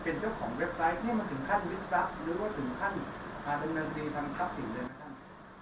ต้องมีขึ้นขั้นวิสัสหรือถึงขั้นอารมณ์ดังที่ทางทับสิ่งเหลือทั้งตัว